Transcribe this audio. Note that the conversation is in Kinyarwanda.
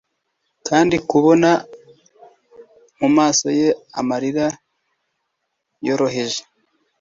kandi, kubona mumaso ye amarira yoroheje